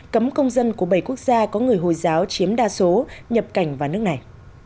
cấm công dân của bảy quốc gia có người hồi giáo chiếm đa số nhập cảnh vào nước này